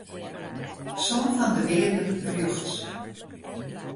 Som fan de wearden rjochts.